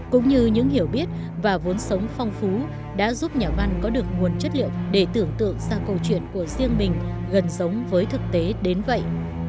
cũng như những hiểu biết và vốn sống phong phú đã giúp nhà văn có được nguồn chất liệu để tưởng tượng sang câu chuyện của riêng mình gần giống với thực tế đến vậy